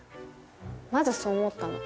まずそう思ったの。